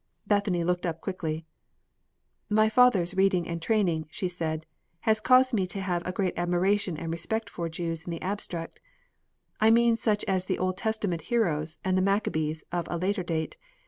Bethany looked up quickly. "My father's reading and training," she said, "has caused me to have a great admiration and respect for Jews in the abstract. I mean such as the Old Testament heroes and the Maccabees of a later date.